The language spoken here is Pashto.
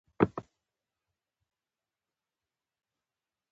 _زه بېرته ګرځم.